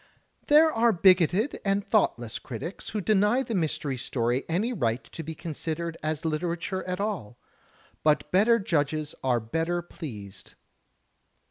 There are bigoted and thoughtless critics who deny the Mystery Story any right to be considered as literature at all. But better judges are better pleased.